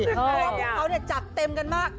เพราะว่าเขาเนี่ยจัดเต็มกันมาก